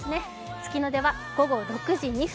月の出は午後６時２分。